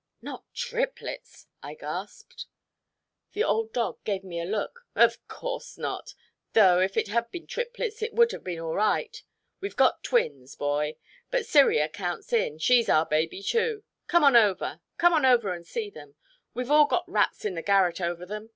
"Not triplets," I gasped. The old dog gave me a look. "Of course not, though if it had been triplets, it would have been all right. We've got twins, Boy, but Cyria counts in. She's our baby, too. Come on over come on over and see them. We've all got rats in the garret over them.